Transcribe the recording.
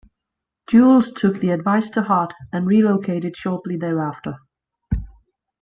Jules took the advice to heart and relocated shortly thereafter.